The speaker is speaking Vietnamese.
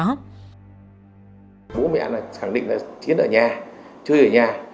bố mẹ là khẳng định là chiến ở nhà chơi ở nhà